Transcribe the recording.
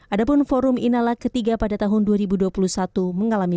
adapun forum inalak ketiga pada tahun dua ribu dua puluh satu mengalami